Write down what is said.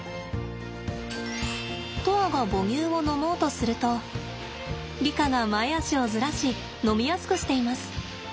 砥愛が母乳を飲もうとするとリカが前肢をずらし飲みやすくしています。